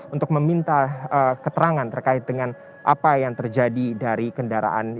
untuk meminta keterangan terkait dengan apa yang terjadi dari kendaraan